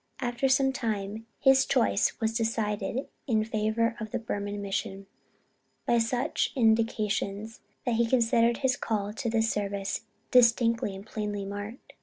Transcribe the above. After some time, his choice was decided in favor of the Burman mission by such indications, that he considered his call to this service distinctly and plainly marked.